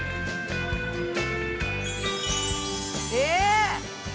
え！